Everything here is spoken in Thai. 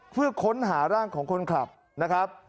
เพื่อค้นหาร่างของคนขับนะครับ